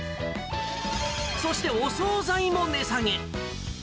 そしてお総菜も値下げ。